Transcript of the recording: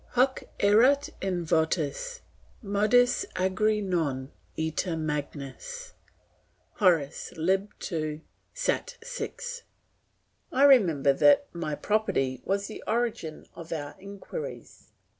"'Hoc erat in votis, modus agri non ita magnus.' Horace, lib. ii., sat. vi. "I remember that my property was the origin of our inquiries.